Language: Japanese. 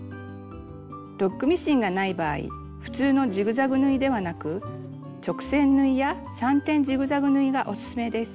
ロックミシンがない場合普通のジグザグ縫いではなく直線縫いや３点ジグザグ縫いがおすすめです。